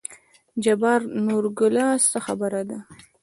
جبار: نورګله څه خبره ده.